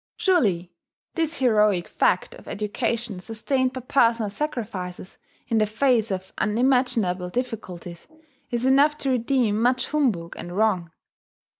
Surely this heroic fact of education sustained by personal sacrifices, in the face of unimaginable difficulties, is enough to redeem much humbug and wrong.